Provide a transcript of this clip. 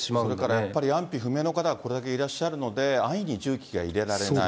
やっぱり安否不明の方がこれだけいらっしゃるので、安易に重機が入れられない。